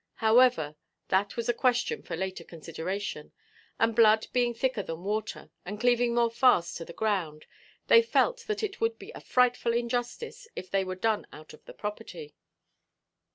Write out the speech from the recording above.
However, that was a question for later consideration; and blood being thicker than water, and cleaving more fast to the ground, they felt that it would be a frightful injustice if they were done out of the property.